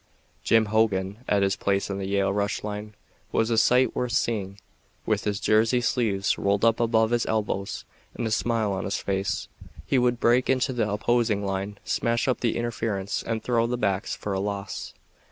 Jim Hogan at his place in the Yale rush line was a sight worth seeing. With his jersey sleeves rolled up above his elbows and a smile on his face, he would break into the opposing line, smash up the interference and throw the backs for a loss.